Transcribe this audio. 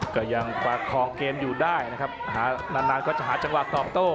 ก็ยังประคองเกมอยู่ได้นะครับหานานนานก็จะหาจังหวะตอบโต้